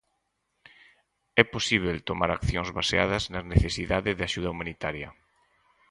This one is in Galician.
É posíbel tomar accións baseadas na necesidade de axuda humanitaria.